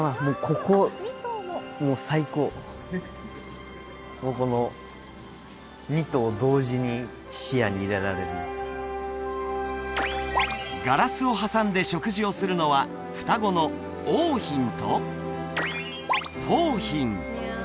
ここもう最高この２頭同時に視野に入れられるガラスを挟んで食事をするのは双子の桜浜と桃浜